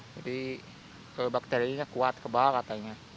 jadi kalau bakterinya kuat kebal katanya